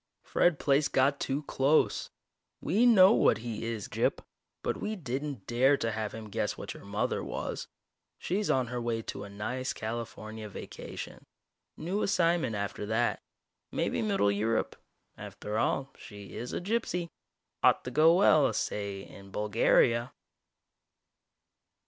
Fred Plaice got too close. We know what he is, Gyp. But we didn't dare to have him guess what your mother was. She's on her way to a nice California vacation. New assignment after that. Maybe middle Europe. After all, she is a gypsy. Ought to go well, say, in Bulgaria!"